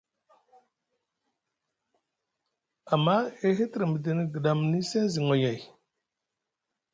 Amma e hitriɗi midini gɗamni seŋ zi noyay.